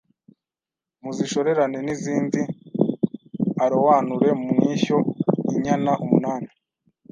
Muzishorerane n’izindi aroanure mu ishyo inyana umunani